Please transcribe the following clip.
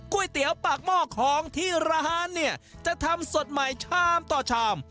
ก๋วยเตี๋ยวปากหม้อของที่ร้านเนี่ยจะทำสดใหม่ชามต่อชาม